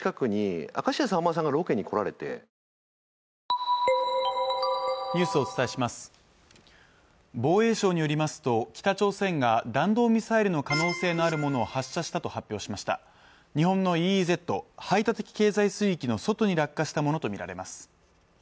高校時代ニュースをお伝えします防衛省によりますと北朝鮮が弾道ミサイルの可能性のあるものを発射したと発表しました日本のＥＥＺ＝排他的経済水域の外に落下したものとみられます